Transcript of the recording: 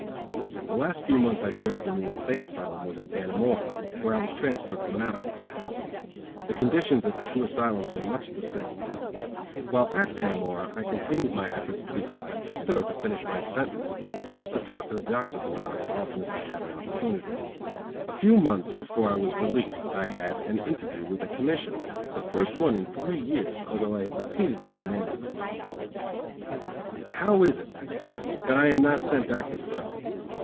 The last few months I served in the insane asylum was at Dannemora, where I was transferred from Matteawan. The conditions at the two asylums are much the same. While at Dannemora I continued my efforts to be sent back to stir to finish my sentence, and used to talk to the doctors about it as often as I had an opportunity. A few months before I was released I had an interview with a Commissioner the first one in three years, although I had repeatedly demanded to talk to one. "How is it," I said, "that I am not sent back to stir?"